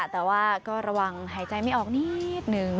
แต่ว่าก็ระวังหายใจไม่ออกนิดนึง